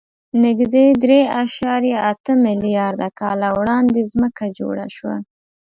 نږدې درې اعشاریه اته میلیارده کاله وړاندې ځمکه جوړه شوه.